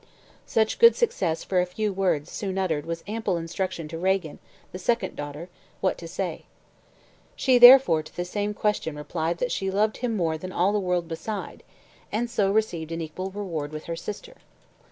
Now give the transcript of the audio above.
Such good success for a few words soon uttered was ample instruction to Regan, the second daughter, what to say. She therefore to the same question replied that "she loved him more than all the world beside;" and so received an equal reward with her sister.